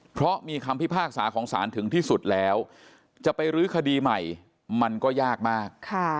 เพราะมีคำพิพากษาของศาลถึงที่สุดแล้วจะไปรื้อคดีใหม่มันก็ยากมาก